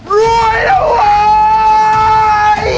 ร้อยแล้ววววววว